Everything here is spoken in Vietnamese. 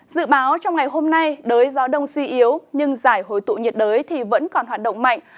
dự báo trong ngày hôm nay đới gió đông suy yếu nhưng giải hồi tụ nhiệt đới thì vẫn còn hoạt động mạnh